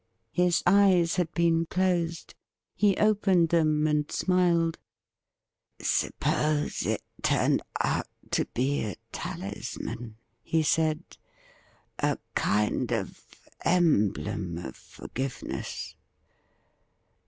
His eyes had been closed. He opened them and smiled. ' Suppose it turned out to be a talisman,' he said —' a kind of emblem of forgiveness